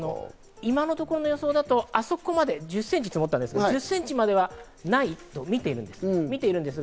今のところの予想だとあの時は１０センチ積もったんですが、そこまではないとみています。